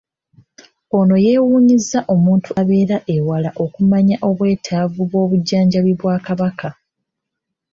Ono yeewuunyizza omuntu abeera ewala okumanya obwetaavu bw'obujjanjabi bwa Kabaka